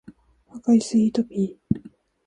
赤いスイートピー